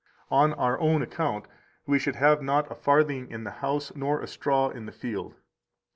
On our own account we should not have a farthing in the house nor a straw in the field.